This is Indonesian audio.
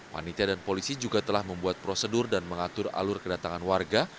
panitia dan polisi juga telah membuat prosedur dan mengatur alur kedatangan warga